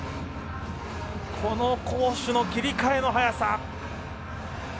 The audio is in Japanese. この攻守の切り替えの速さ。